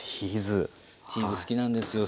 チーズ好きなんですよ